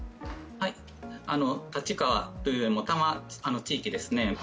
立川というよりも、多摩地域ですね。